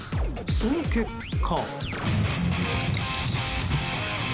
その結果。